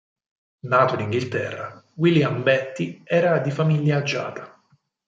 Nato in Inghilterra, William Betty era di famiglia agiata.